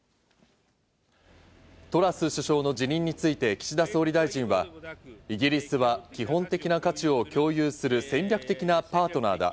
トラス首相の辞任について岸田総理大臣は、イギリスは基本的な価値を共有する戦略的なパートナーだ。